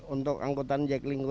untuk angkutan jekling